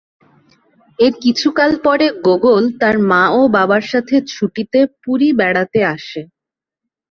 এর কিছুকাল পরে গোগোল তার মা ও বাবার সাথে ছুটিতে পুরী বেড়াতে আসে।